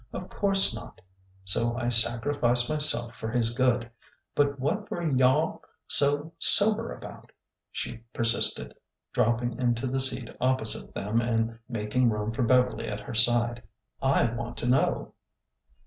Of course not. So I sac rificed myself for his good. But what were yow all so sober about ?" she persisted, dropping into the seat op posite them and making room for Beverly at her side. " I want to know."